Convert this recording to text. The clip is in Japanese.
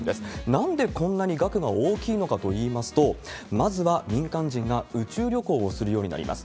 なんでこんなに額が大きいのかといいますと、まずは民間人が宇宙旅行をするようになります。